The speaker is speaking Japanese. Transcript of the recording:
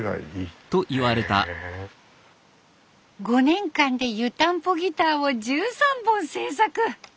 ５年間で湯たんぽギターを１３本制作。